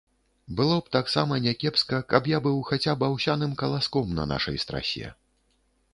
Было б таксама някепска, каб я быў хаця б аўсяным каласком на нашай страсе.